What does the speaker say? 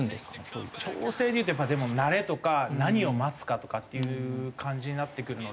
調整でいうとやっぱでも慣れとか何を待つかとかっていう感じになってくるので。